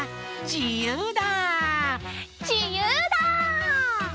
じゆうだ！